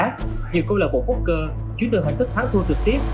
nhiều công lập bộ poker chuyển từ hình thức thắng thua trực tiếp